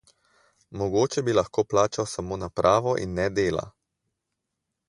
Mogoče bi lahko plačal samo napravo in ne dela?